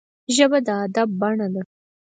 ژبه د ادب بڼه ده